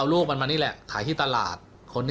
ลูกจำด้วย